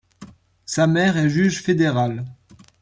Sa mère est juge fédérale.